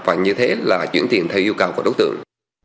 và như thế là chuyển tiền theo yêu cầu của đối tượng